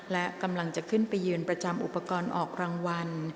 และกำลังจะขึ้นไปยืนประจำอุปกรณ์ออกรางวัล